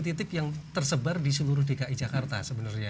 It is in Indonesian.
titik yang tersebar di seluruh dki jakarta sebenarnya